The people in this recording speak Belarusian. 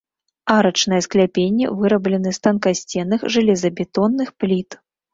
Арачныя скляпенні выраблены з танкасценных жалезабетонных пліт.